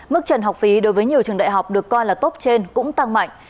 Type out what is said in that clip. mức trần học phí đối với nhiều trường đại học được coi là tốt trên cũng tăng mạnh